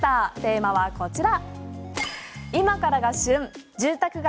テーマはこちら。